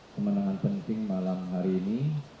kemenangan penting malam hari ini